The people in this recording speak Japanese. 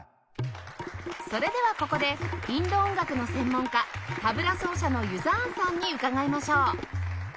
それではここでインド音楽の専門家タブラ奏者の Ｕ−ｚｈａａｎ さんに伺いましょう